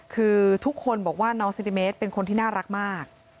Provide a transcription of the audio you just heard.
คือทุกคนบอกว่าน้องเซนติเมตรเป็นคนที่น่ารักมาก